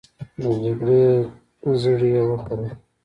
د جګړې زړي یې وکرل